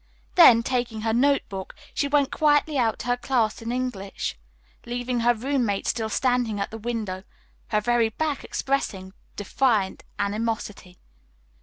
Then, taking her note book, she went quietly out to her class in English, leaving her roommate still standing at the window, her very back expressing defiant animosity.